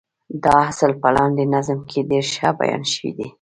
دا اصل په لاندې نظم کې ډېر ښه بيان شوی دی.